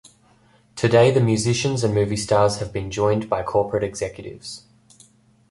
Today the musicians and movie stars have been joined by corporate executives.